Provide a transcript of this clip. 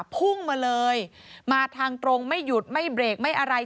พุ่งมาเลยมาทางตรงไม่หยุดไม่เบรกไม่อะไร